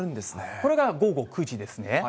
これが午後９時ですね。